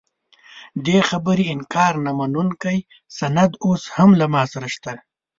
دې خبرې انکار نه منونکی سند اوس هم له ما سره شته.